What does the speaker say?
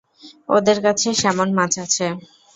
ওদের কাছে স্যামন মাছ আছে!